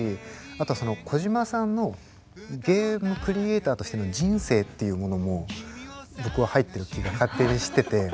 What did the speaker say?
あとはその小島さんのゲームクリエーターとしての人生っていうものも僕は入ってる気が勝手にしてて。